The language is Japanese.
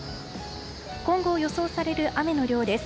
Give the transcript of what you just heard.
今後予想される雨の量です。